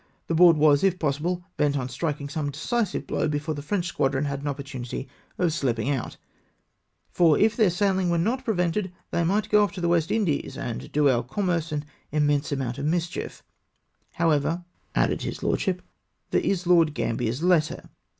The Board was, if pos sible, bent on strildng some decisive blow before the French squadron had an opportunity of slipping out ; for if their saihng were not prevented they might get off to the West Indies, and do our commerce an immense amount of mischief, However," added his lordship, " there is Lord Gambler's letter.